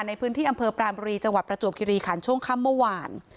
ในพื้นที่อำเภอปรานบุรีจังหวัดประจวบคิริขันช่วงค่ำเมื่อวาน